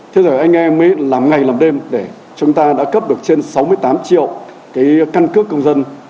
thế rồi anh em mới làm ngày làm đêm để chúng ta đã cấp được trên sáu mươi tám triệu cái căn cước công dân